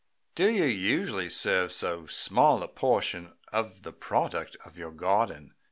"Do you usually serve so small a portion of the product of your garden?"